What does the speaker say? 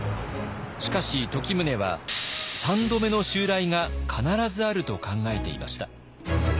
しかし時宗は３度目の襲来が必ずあると考えていました。